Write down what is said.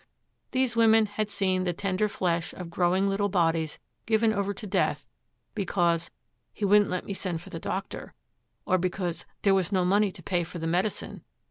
These women had seen the tender flesh of growing little bodies given over to death because 'he wouldn't let me send for the doctor,' or because 'there was no money to pay for the medicine.'